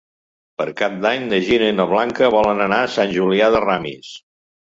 Per Cap d'Any na Gina i na Blanca volen anar a Sant Julià de Ramis.